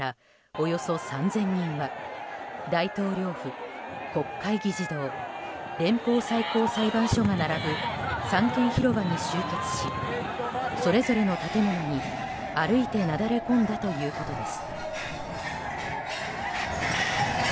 およそ３０００人は大統領府、国会議事堂連邦最高裁判所が並ぶ三権広場に集結しそれぞれの建物に歩いてなだれ込んだということです。